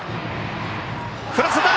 振らせた！